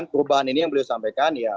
perubahan ini yang beliau sampaikan ya